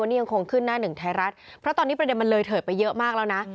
นี่ยังคงขึ้นหน้าหนึ่งไทยรัฐเพราะตอนนี้ประเด็นมันเลยเถิดไปเยอะมากแล้วนะ